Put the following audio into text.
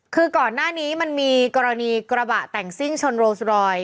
คือก่อนหน้านี้มันมีกรณีกระบะแต่งซิ่งชนโรสรอย